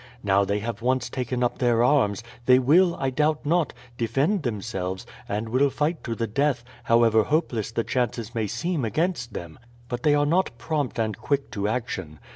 Now they have once taken up their arms, they will, I doubt not, defend themselves, and will fight to the death, however hopeless the chances may seem against them; but they are not prompt and quick to action.